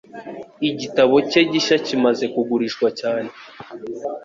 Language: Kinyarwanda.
Igitabo cye gishya kimaze kugurishwa cyane.